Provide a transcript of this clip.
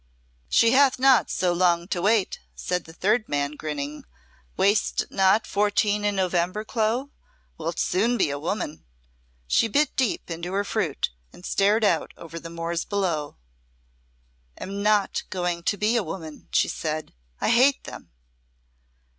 "She hath not so long to wait," said the third man, grinning. "Wast not fourteen in November, Clo? Wilt soon be a woman." She bit deep into her fruit and stared out over the moors below. "Am not going to be a woman," she said. "I hate them."